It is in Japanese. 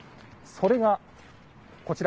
それが、こちら。